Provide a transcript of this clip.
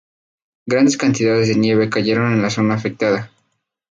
Grandes cantidades de nieve cayeron en la zona afectada.